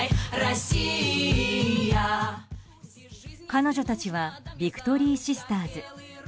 彼女たちはヴィクトリーシスターズ。